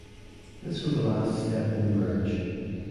This was the last step in the merge.